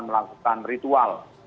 mereka melakukan ritual